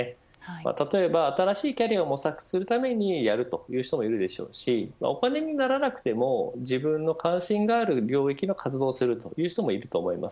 例えば新しいキャリアを模索するためにやるという人もいるでしょうしお金にならなくても自分の関心のある領域の活動をするという人もいると思います。